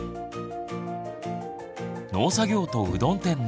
農作業とうどん店の経営